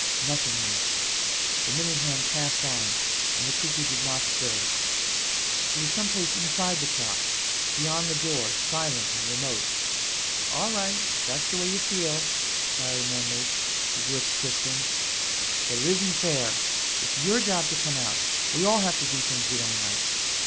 Nothing moved. The minute hand passed on and the cuckoo did not stir. He was someplace inside the clock, beyond the door, silent and remote. "All right, if that's the way you feel," Larry murmured, his lips twisting. "But it isn't fair. It's your job to come out. We all have to do things we don't like."